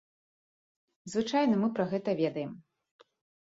Звычайна мы пра гэта ведаем.